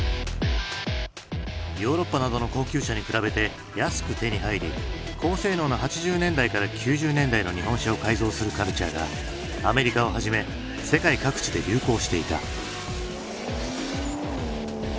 ヨーロッパなどの高級車に比べて安く手に入り高性能な８０年代から９０年代の日本車を改造するカルチャーがアメリカをはじめ世界各地で流行していた。